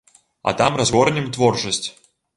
А там разгорнем творчасць.